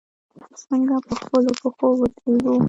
چې څنګه په خپلو پښو ودریږو.